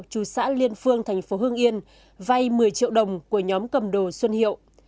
chú xã liên phương thành phố hương yên vay một mươi triệu đồng của nhóm cầm đồ xuân hiệu